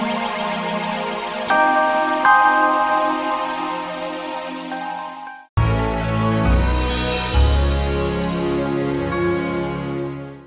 kau mau ngapain